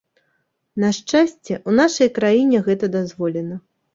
На шчасце, у нашай краіне гэта дазволена.